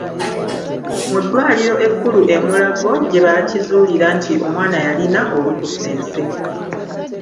Mu ddwaliro ekkulu e Mulago gye baakizuulira nti omwana yalina olunkusense.